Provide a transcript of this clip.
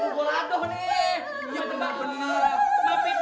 bagaimana kalau kita coba ke dalam yuk